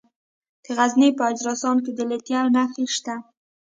د غزني په اجرستان کې د لیتیم نښې شته.